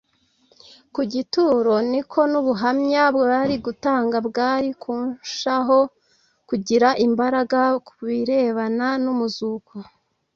ku gituro niko n'ubuhamya bari gutanga bwari kunshaho kugira imbaraga ku birebana n'umuzuko.